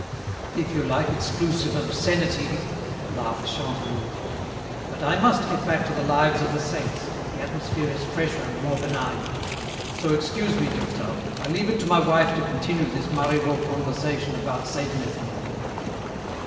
"If you like exclusive obscenity " laughed Chantelouve. "But I must get back to the lives of the saints; the atmosphere is fresher and more benign. So excuse me, Durtal. I leave it to my wife to continue this Marivaux conversation about Satanism with you."